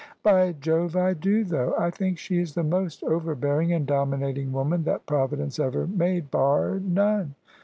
" By Jove, I do, though ! I think she is the most over bearing and dominating woman that Providence ever made — bar none."